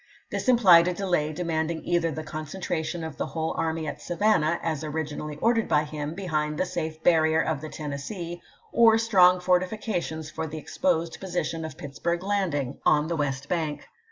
This implied a delay demanding either the concentration of the whole army at Savannah, as originally ordered by him, behind the safe barrier of the Tennessee, or strong fortifications for the exposed position of Pittsburg Landing, on the west 320 ABEAHAM LINCOLN CH. xvm. bank.